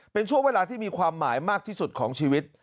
เป็นช่วงเวลาที่มีความหมายมากที่สุดของชีวิต